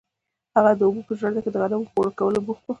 هغوی د اوبو په ژرنده کې د غنمو په اوړه کولو بوخت وو.